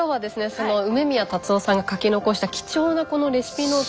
その梅宮辰夫さんが書き残した貴重なこのレシピノート。